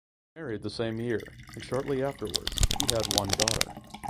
He married the same year and shortly afterwards he had one daughter.